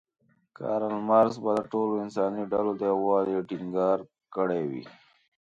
کارل مارکس به د ټولو انساني ډلو د یووالي ټینګار کړی وی.